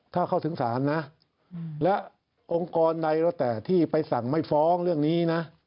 ถ้าเข้าถึงศาลนะและองค์กรใดแล้วแต่ที่ไปสั่งไม่ฟ้องเรื่องนี้นะ